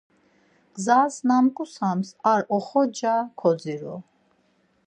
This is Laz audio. Gzas na ǩusams ar oxorca kodziru.